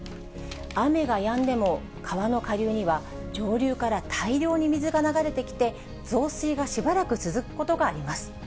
雨がやんでも、川の下流には上流から大量に水が流れてきて、増水がしばらく続くことがあります。